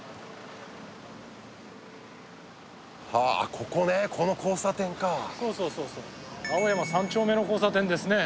ここねそうそうそうそう青山三丁目の交差点ですね